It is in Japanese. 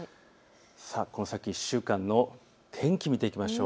この先１週間の天気を見ていきましょう。